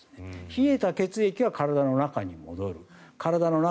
冷えた血液が体の中に戻る。